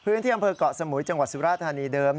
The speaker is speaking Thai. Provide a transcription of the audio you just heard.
พื้นที่อำเภอกเกาะสมุยจังหวัดสุราธานีเดิม